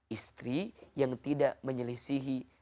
istri yang tidak menyelisihi